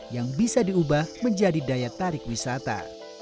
yang bisa diubah menjadi daya tarik wisata